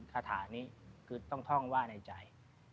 คาถานี้คือต้องท่องว่าในใจ